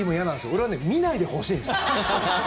俺は見ないでほしいんですよ。